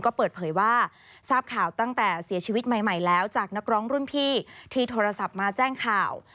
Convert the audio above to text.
ก็เปิดเผยว่าทราบข่าวตั้งแต่เสียชีวิตใหม่แล้วจากนักร้องรุ่นพี่ที่โทรศัพท์มาแจ้งข่าว